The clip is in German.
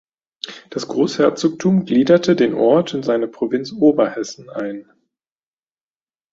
Das Großherzogtum gliederte den Ort in seine Provinz Oberhessen ein.